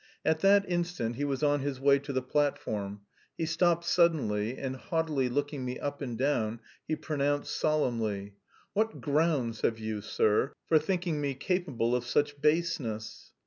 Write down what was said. At that instant he was on his way to the platform; he stopped suddenly, and haughtily looking me up and down he pronounced solemnly: "What grounds have you, sir, for thinking me capable of such baseness?"